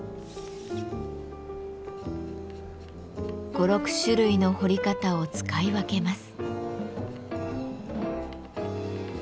５６種類の彫り方を使い分けます。